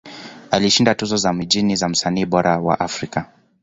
Alishinda tuzo za mijini za Msanii Bora wa Afrika.